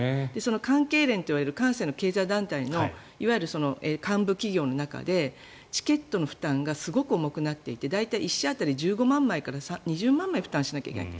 関経連といわれる関西の経済団体の幹部企業の中でチケットの負担がすごく重くなっていて大体１社当たり１５万枚から２０万枚負担しないといけない。